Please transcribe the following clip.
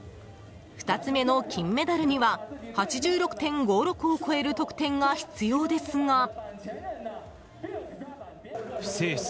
２つ目の金メダルには８６．５６を超える得点が必要ですが。